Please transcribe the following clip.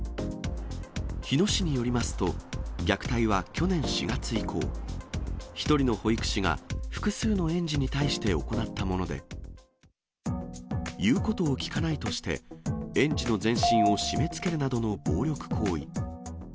日野市によりますと、虐待は去年４月以降、１人の保育士が複数の園児に対して行ったもので、言うことを聞かないとして、園児の全身を締めつけるなどの暴力行為。